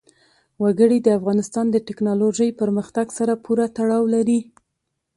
وګړي د افغانستان د تکنالوژۍ پرمختګ سره پوره تړاو لري.